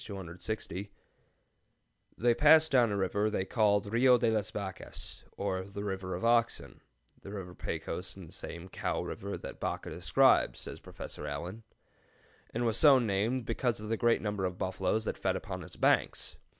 260): "They passed down a river they called Rio de las Vacas, or the River of Oxen [the river Pecos, and the same Cow River that Vaca describes, says Professor Allen], and was so named because of the great number of buffaloes that fed upon its banks.